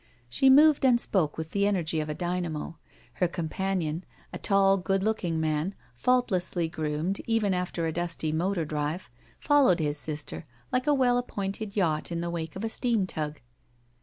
She moved and spoke with the energy of a dynamo. Her com panion, a tall good looking man, faultlessly groomed even after a dusty motor drive, followed his sister like a well appointed yacht in the wake of a steam tug.